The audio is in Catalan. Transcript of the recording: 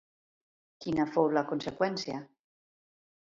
Quina fou la conseqüència?